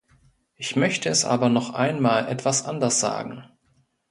Ich möchte es aber noch einmal etwas anders sagen.